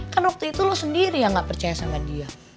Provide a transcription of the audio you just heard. kan waktu itu lu sendiri yang gak percaya sama dia